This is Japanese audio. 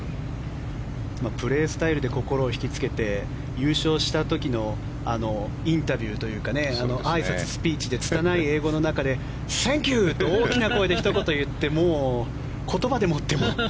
プレースタイルで心を引きつけて優勝した時のインタビューというかあいさつ、スピーチの中でつたない英語の中でセンキュー！って大きな声でひと言言って言葉でもっても。